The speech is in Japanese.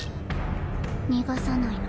逃がさないの。